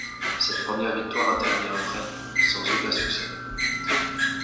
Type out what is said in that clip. Cette première victoire intervient après sans aucun succès.